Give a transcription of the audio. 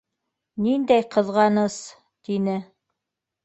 Ниндәй ҡыҙғаныс! - тине.